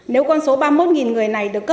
nếu con số ba mươi một người này được bắt đầu